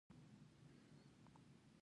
هغوی د خوږ ماښام له رنګونو سره سندرې هم ویلې.